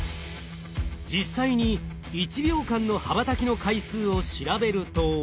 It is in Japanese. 実際に１秒間の羽ばたきの回数を調べると。